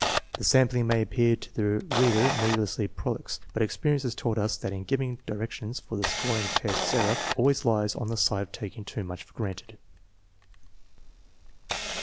The sampling may appear to the reader needlessly prolix, but experience has taught us that in giving direc tions for the scoring of tests error always lies on the side of taking too much for granted.